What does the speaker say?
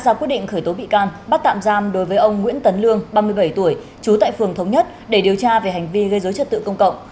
ra quyết định khởi tố bị can bắt tạm giam đối với ông nguyễn tấn lương ba mươi bảy tuổi trú tại phường thống nhất để điều tra về hành vi gây dối trật tự công cộng